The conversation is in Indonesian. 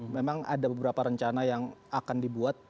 memang ada beberapa rencana yang akan dibuat